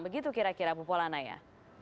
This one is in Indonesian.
begitu kira kira bu polana ya